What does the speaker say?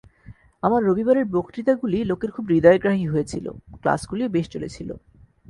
আমার রবিবারের বক্তৃতাগুলি লোকের খুব হৃদয়গ্রাহী হয়েছিল, ক্লাসগুলিও বেশ চলেছিল।